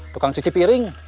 tukang cuci piring